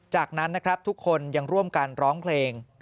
จากนั้นนะครับทุกคนยังร่วมกันร้องเพลง